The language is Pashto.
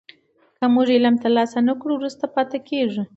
که موږ علم ترلاسه نه کړو وروسته پاتې کېږو.